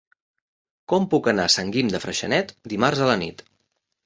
Com puc anar a Sant Guim de Freixenet dimarts a la nit?